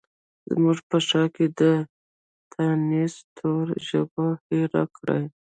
زموږ په ښارکې د تانیث توري ژبو هیر کړي